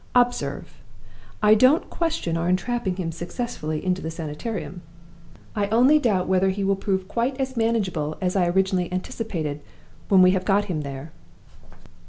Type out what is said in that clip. Observe! I don't question our entrapping him successfully into the Sanitarium: I only doubt whether he will prove quite as manageable as I originally anticipated when we have got him there.